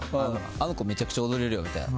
あの子めちゃくちゃ踊れるよみたいな。